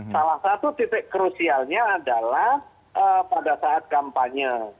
salah satu titik krusialnya adalah pada saat kampanye